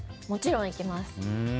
もちろん行きます。